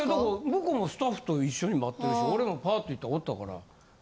向こうもスタッフと一緒に待ってるし俺もパーッて行っておったから。